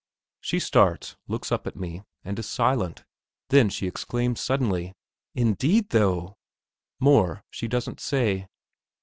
She starts, looks up quickly at me, and is silent; then she exclaims suddenly: "Indeed, though!" More she doesn't say.